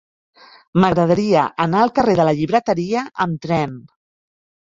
M'agradaria anar al carrer de la Llibreteria amb tren.